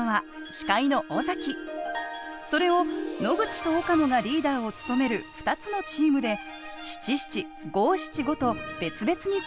それを野口と岡野がリーダーを務める２つのチームで「７７」「５７５」と別々につないでいきます。